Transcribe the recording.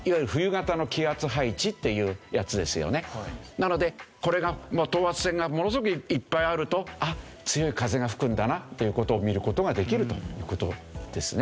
なのでこれが等圧線がものすごくいっぱいあると「強い風が吹くんだな」という事を見る事ができるという事ですね。